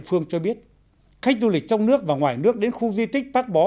địa phương cho biết khách du lịch trong nước và ngoài nước đến khu di tích pháp bó